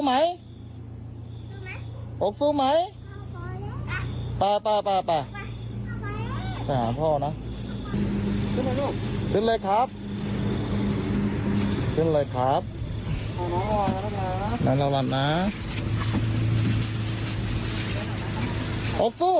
ไม่ได้กลัวไปหาพ่อ